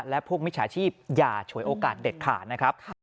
และพวกมิจฉาชีพอย่าฉวยโอกาสเด็ดขาดนะครับ